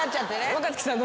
若槻さん